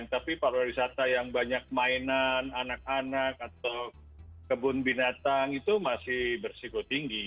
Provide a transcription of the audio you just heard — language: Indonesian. tapi pariwisata yang banyak mainan anak anak atau kebun binatang itu masih berisiko tinggi